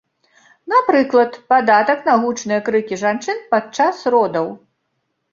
Напрыклад, падатак на гучныя крыкі жанчыны падчас родаў.